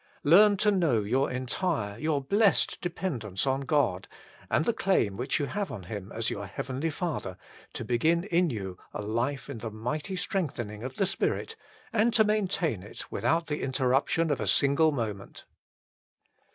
Learn to know your entire, your blessed dependence on God, and the claim which you have on Him as your Heavenly Father to begin in you a life in the mighty strengthen ing of the Spirit and to maintain it without the interruption of a single moment.